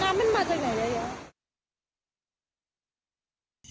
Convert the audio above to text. น้ำมันมาตรงไหนเลย